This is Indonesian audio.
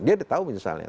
dia tahu misalnya